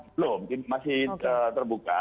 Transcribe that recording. mungkin masih terbuka